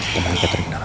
kembali ke katering dalam